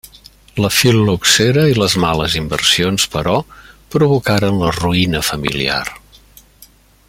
La fil·loxera i les males inversions, però, provocaren la ruïna familiar.